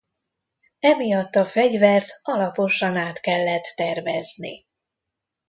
Emiatt a fegyvert alaposan át kellett tervezni.